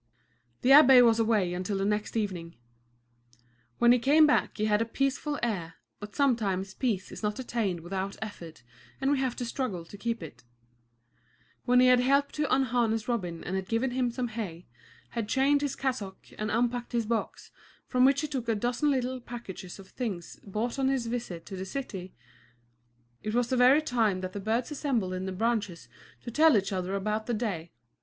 The abbé was away until the next evening. When he came back he had a peaceful air, but sometimes peace is not attained without effort and we have to struggle to keep it. When he had helped to unharness Robin and had given him some hay, had changed his cassock and unpacked his box, from which he took a dozen little packages of things bought on his visit to the city, it was the very time that the birds assembled in the branches to tell each other about the day.